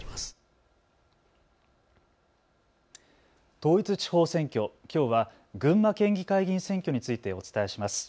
統一地方選挙、きょうは群馬県議会議員選挙についてお伝えします。